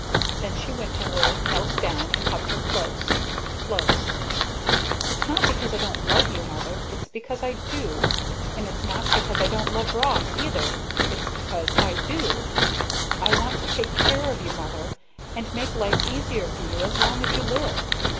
Then she went to her, knelt down and hugged her close close. "It's not because I don't love you, Mother. It's because I do. And it's not because I don't love Ross either: it's because I do. I want to take care of you, Mother, and make life easier for you as long as you live.